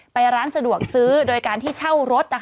ไปร้านสะดวกซื้อโดยการที่เช่ารถ